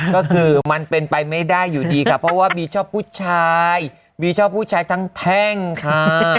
ก็คือมันเป็นไปไม่ได้อยู่ดีค่ะเพราะว่าบีชอบผู้ชายบีชอบผู้ชายทั้งแท่งค่ะ